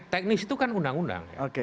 teknis itu kan undang undang